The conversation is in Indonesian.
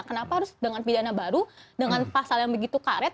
kenapa harus dengan pidana baru dengan pasal yang begitu karet